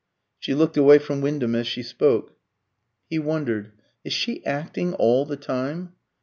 She looked away from Wyndham as she spoke. He wondered, "Is she acting all the time?